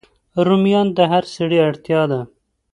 رومیان د هر سړی اړتیا ده